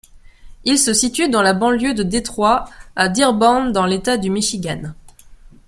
Il se situe dans la banlieue de Détroit, à Dearborn dans l'État du Michigan.